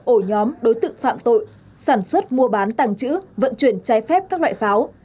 ổ nhóm đối tượng phạm tội sản xuất mua bán tàng trữ vận chuyển trái phép các loại pháo